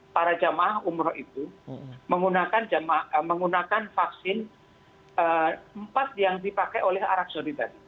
para jemaah umroh itu menggunakan vaksin empat yang dipakai oleh arab saudi tadi